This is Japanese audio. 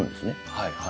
はいはい。